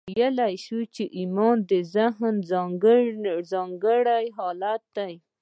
ویلای شو چې ایمان د ذهن یو ځانګړی حالت دی